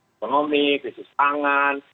ekonomik krisis tangan